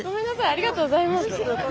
ありがとうございます。